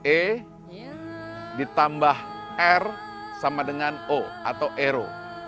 e ditambah r sama dengan o atau ero